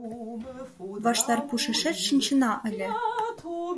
Ваштар пушешет шинчына ыле.